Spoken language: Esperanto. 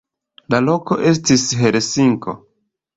La loko estis Helsinko.